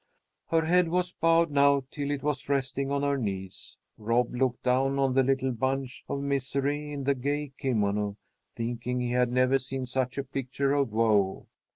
Her head was bowed now till it was resting on her knees. Rob looked down on the little bunch of misery in the gay kimono, thinking he had never seen such a picture of woe.